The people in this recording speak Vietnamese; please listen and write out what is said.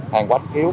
hàng quá thích yếu